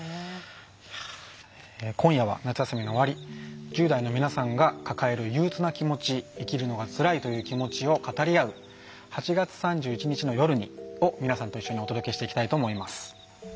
今夜は夏休みの終わり１０代の皆さんが抱える憂うつな気持ち生きるのがつらいという気持ちを語り合う「＃８月３１日の夜に。」を皆さんと一緒にお届けしていきたいと思います。